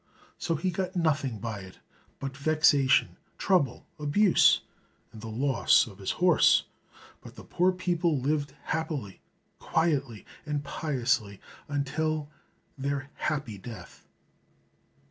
So he got nothing by it but vexation, trouble, abuse, and the loss of his horse; but the poor people lived happily, quietly, and piously until their happy death.